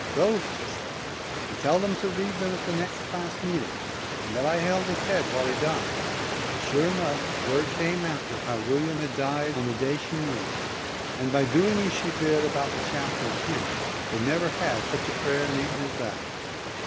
" Go," she says, " and tell them to read them at the next class meeting, and that I held his head while he died." And sure enough word came after that how William had died on the day she named. And, doing as she bid about the chapter and hymn, they never had such a prayer meeting as that.